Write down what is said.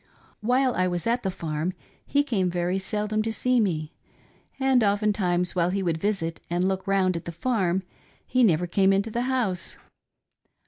While I was at the farm he came very seldom to see me, and oftentimes while he would visit and look round at the farm he never came into the house.